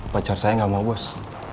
pacar saya nggak mau bos